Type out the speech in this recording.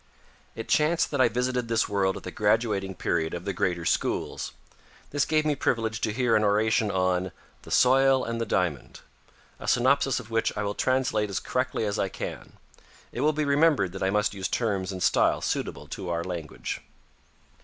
It chanced that I visited this world at the graduating period of the greater schools. This gave me privilege to hear an oration on "The Soil and the Diamond," a synopsis of which I will translate as correctly as I can. It will be remembered that I must use terms and style suitable to our language.